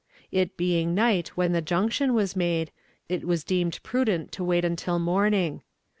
It being night when the junction was made, it was deemed prudent to wait until morning.